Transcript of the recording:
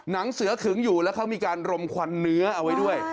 หนังสือขึงอยู่แล้วเขามีการรมควันเนื้อเอาไว้ด้วย